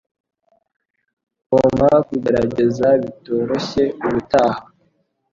Ngomba kugerageza bitoroshye ubutaha.